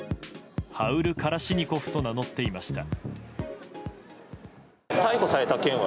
ハウル・カラシニコフと名乗っていました。